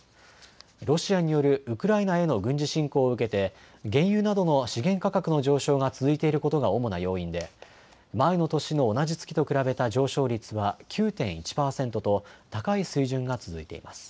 ロシアによるウクライナへの軍事侵攻を受けて原油などの資源価格の上昇が続いていることが主な要因で前の年の同じ月と比べた上昇率は９．１％と高い水準が続いています。